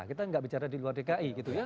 kita nggak bicara di luar dki gitu ya